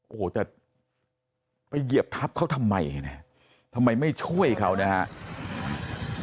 โอ้โหแต่ไปเหยียบทับเขาทำไมนะทำไมไม่ช่วยเขานะครับ